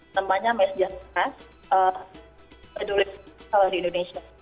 namanya masjid jasa berdulis di indonesia